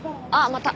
また。